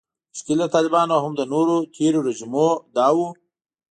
مشکل د طالبانو او هم د نورو تیرو رژیمونو دا و